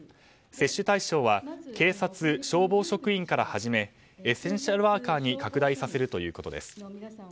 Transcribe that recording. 接種対象は警察、消防職員から始めエッセンシャルワーカーに拡大させるということです。